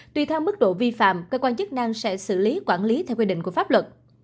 tùy theo mức độ vi phạm cơ quan chức năng sẽ xử lý quản lý theo quy định của pháp luật